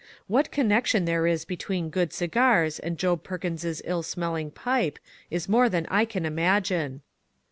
What con nection there is between good cigars and Job Perkins' ill smelling pipe, is more than I can imagine."